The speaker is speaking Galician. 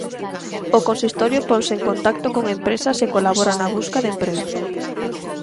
O consistorio ponse en contacto con empresas e colabora na busca de emprego.